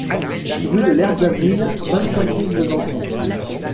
Rue de l'Herbe d'Avril, vingt-cinq mille Besançon